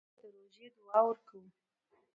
مړه ته د روژې دعا ورکوو